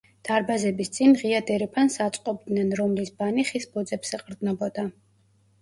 დარბაზების წინ ღია დერეფანს აწყობდნენ, რომლის ბანი ხის ბოძებს ეყრდნობოდა.